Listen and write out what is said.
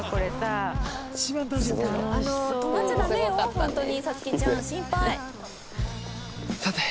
本当に皐月ちゃん心配。